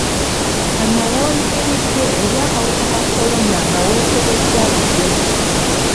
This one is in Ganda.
Manya bw'oyimiridde eri akawuka ka kolona nga weekebeza leero.